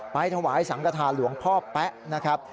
ถวายสังกฐานหลวงพ่อแป๊ะนะครับ